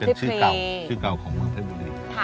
เป็นชื่อเก่าชื่อเก่าของเมืองเพชรบุรี